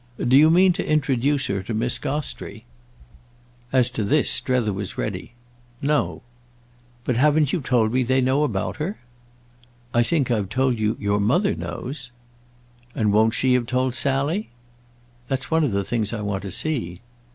"Do you mean to introduce her to Miss Gostrey?" As to this Strether was ready. "No." "But haven't you told me they know about her?" "I think I've told you your mother knows." "And won't she have told Sally?" "That's one of the things I want to see."